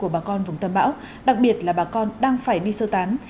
bà con vùng tầm bão đặc biệt là bà con đang phải đi sơ tán